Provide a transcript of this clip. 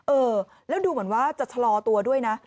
เออแล้วดูเหมือนว่าจะชะลอตัวด้วยนะ